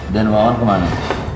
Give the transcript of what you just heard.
den wawan kemana